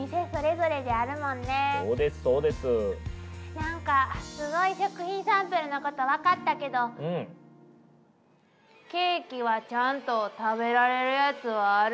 なんかすごい食品サンプルのこと分かったけどケーキはちゃんと食べられるやつはあるんでしょうね？